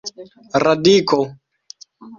radiko